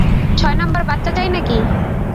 ছয় নম্বর বাচ্চা চাই নাকি?